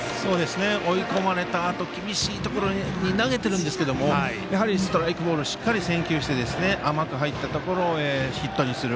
追い込まれたあと厳しいところに投げているんですけどストライク、ボールをしっかり選球して甘く入ったところをヒットにする。